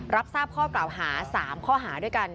รับทราบข้อกล่าวหา๓ข้อหาด้วยกัน